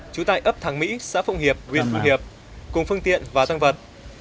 trú tại ấp thắng mỹ xã phụng hiệp huyện hòa hiệp cùng phương tiện và tăng vật